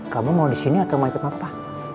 kau mau disini atau mau ikut papa